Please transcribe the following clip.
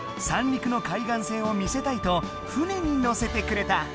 三陸の海岸線を見せたいと船に乗せてくれた！